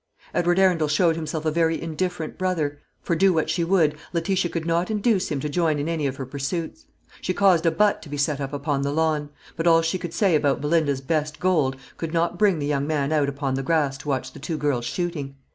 Edward Arundel showed himself a very indifferent brother; for, do what she would, Letitia could not induce him to join in any of her pursuits. She caused a butt to be set up upon the lawn; but all she could say about Belinda's "best gold" could not bring the young man out upon the grass to watch the two girls shooting.